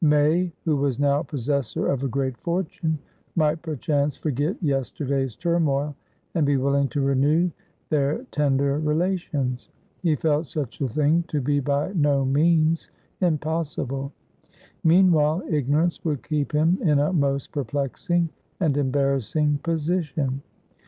May, who was now possessor of a great fortune, might perchance forget yesterday's turmoil, and be willing to renew their tender relations; he felt such a thing to be by no means impossible. Meanwhile, ignorance would keep him in a most perplexing and embarrassing position.